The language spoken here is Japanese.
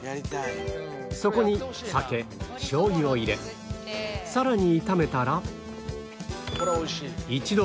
そこに酒しょう油を入れさらに炒めたら